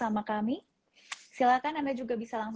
kita masih menunggu kepala bkkbn